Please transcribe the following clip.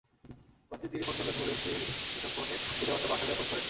পরদিন তিনি ফোন করবেন বলে স্ত্রীর মুঠোফোনে খুদে বার্তা পাঠালেও ফোন করেননি।